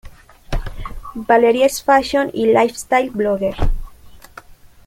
Valeria es Fashion y LifeStyle Blogger.